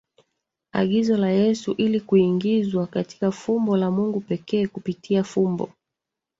agizo la Yesu ili kuingizwa katika fumbo la Mungu pekee kupitia fumbo